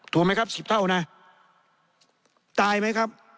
ถูกไหมครับสิบเท่านะตายไหมครับ